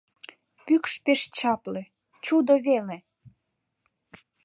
Пӱкш пеш чапле — чудо веле